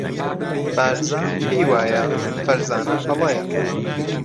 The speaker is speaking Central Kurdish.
بارزان پێی وایە فەرزانە هەڵەیە.